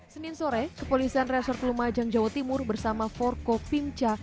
senin sore kepolisian resort rumah jangjawa timur bersama forko pimca